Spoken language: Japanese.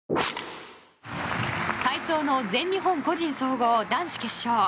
体操の全日本個人総合男子決勝。